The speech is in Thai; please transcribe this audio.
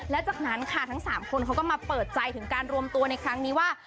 และจากนั้นค่ะทั้ง๓คนเขาก็มาเปิดใจถึงการรวมตัวในครั้งนี้ว่า